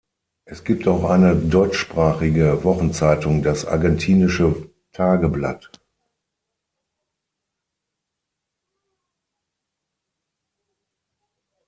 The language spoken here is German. Es gibt auch eine deutschsprachige Wochenzeitung, das "Argentinische Tageblatt".